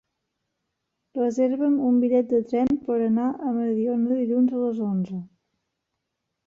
Reserva'm un bitllet de tren per anar a Mediona dilluns a les onze.